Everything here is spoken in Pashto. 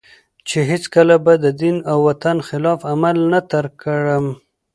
چي هیڅکله به د دین او وطن خلاف عمل تر نه کړم